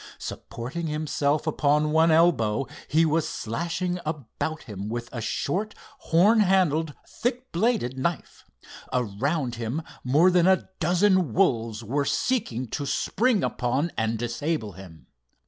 Supporting himself upon one elbow, he was slashing about him with a short, horn handled, thick bladed knife. Around him more than a dozen wolves were seeking to spring upon and disable him.